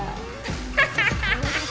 ハハハハッ！